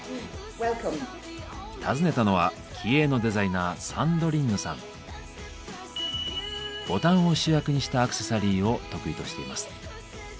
訪ねたのは気鋭のデザイナーボタンを主役にしたアクセサリーを得意としています。